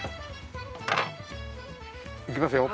いきますよ。